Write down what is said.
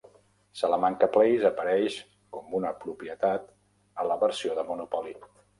Salamanca Place apareix com una propietat a la versió de Monopoly.